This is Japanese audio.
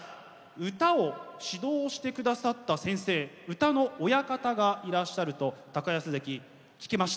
歌を指導して下さった先生歌の親方がいらっしゃると安関聞きました。